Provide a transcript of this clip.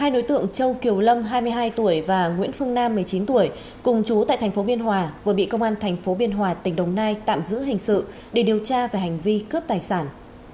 hai đối tượng châu kiều lâm hai mươi hai tuổi và nguyễn phương nam một mươi chín tuổi cùng chú tại thành phố biên hòa vừa bị công an thành phố biên hòa tỉnh đồng nai tạm giữ hình sự để điều tra về hành vi cướp tài sản